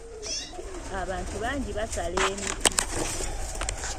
Abantu bangi basala emiti.